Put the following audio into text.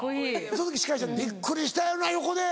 その時司会者びっくりしたやろな横で。